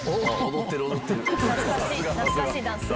踊ってる踊ってる。